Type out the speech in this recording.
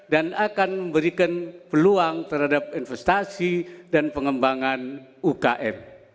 dan akan memberikan peluang terhadap investasi dan pengembangan ukm